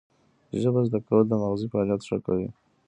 ژبه زده کول د مغزي فعالیت ښه کوي.